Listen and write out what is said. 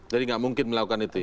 jadi tidak mungkin melakukan itu ya